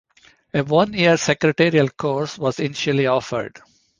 A one-year Secretarial course was initially offered.